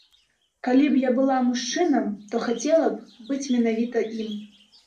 Калі б я была мужчынам, то хацела б быць менавіта ім.